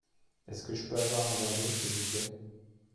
Est-ce que je peux avoir un verre d’eau s’il vous plait ?